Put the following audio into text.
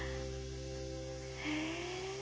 へえ。